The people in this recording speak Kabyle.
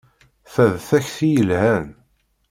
Ta d takti yelhan.